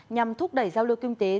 nhằm thúc đẩy giao lưu kinh tế